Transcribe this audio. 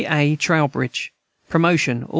CHAS. T. TROWBRIDGE, Promotion, Aug.